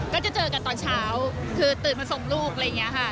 ก็จะเจอกันตอนเช้าคือตื่นมาส่งลูกอะไรอย่างนี้ค่ะ